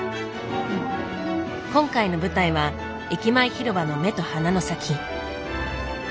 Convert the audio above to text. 今回の舞台は駅前広場の目と鼻の先。